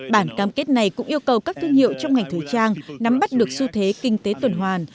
bản cam kết này cũng yêu cầu các thương hiệu trong ngành thời trang nắm bắt được xu thế kinh tế tuần hoàn